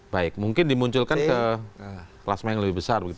baik mungkin dimunculkan ke kelas main yang lebih besar